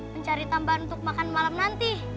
mencari tambahan untuk makan malam nanti